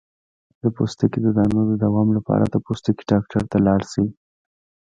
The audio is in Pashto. د پوستکي د دانو د دوام لپاره د پوستکي ډاکټر ته لاړ شئ